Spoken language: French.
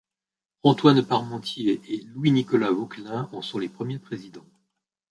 Antoine Parmentier et Louis-Nicolas Vauquelin en sont les premiers présidents.